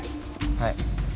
はい。